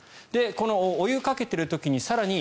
このお湯をかけている時に更に